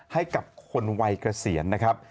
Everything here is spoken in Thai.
ให้กับคนวัยเกษียณนะครับ